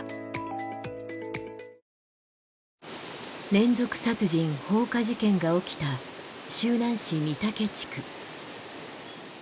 連続殺人放火事件が起きた周南市金峰地区。